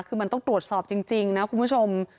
คือมันต้องตรวจสอบจริงนะคุณผู้ชม